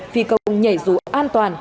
phi công nhảy dù an toàn